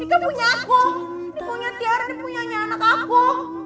ini ibu punya tiara ini ibu punya anak aku